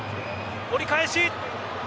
折り返し。